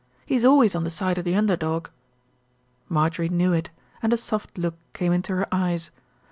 He's always on the side of the under dog." Marjorie knew it, and a soft look came into her eyes.